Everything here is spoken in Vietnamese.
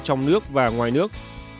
trong nước và ngoài nước